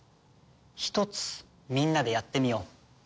ひとつみんなでやってみよう。